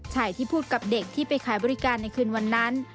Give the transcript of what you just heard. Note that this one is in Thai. ที่พูดกับเด็กที่ไปขายบริการในคืนวันนั้น